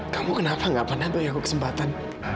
kamu kenapa nggak pernah memberi aku kesempatan